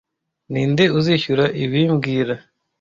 Ninde uzishyura ibi mbwira